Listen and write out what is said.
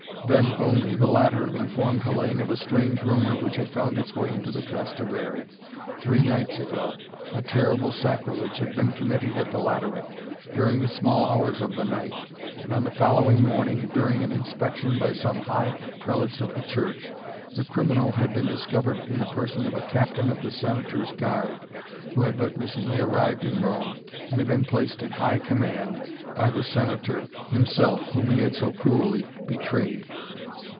Then only the latter informed Hellayne of a strange rumor which had found its way into the Trastevere. Three nights ago a terrible sacrilege had been committed at the Lateran, during the small hours of the night, and on the following morning, during an inspection by some high prelates of the Church, the criminal had been discovered in the person of a captain of the Senator's guard, who had but recently arrived in Rome, and had been placed in high command by the Senator himself, whom he had so cruelly betrayed.